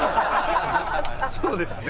そうですね。